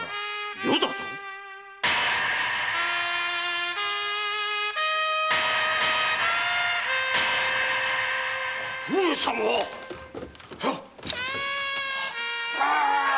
「余」だと⁉上様！ははーっ！